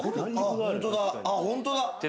本当だ！